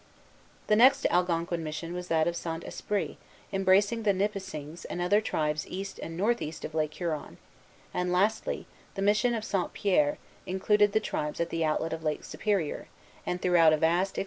The next Algonquin mission was that of Saint Esprit, embracing the Nipissings and other tribes east and north east of Lake Huron; and, lastly, the mission of St. Pierre included the tribes at the outlet of Lake Superior, and throughout a vast extent of surrounding wilderness.